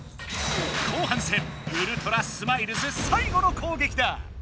後半戦ウルトラスマイルズ最後の攻撃だ！